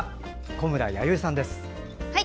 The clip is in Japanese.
小村弥生さんです。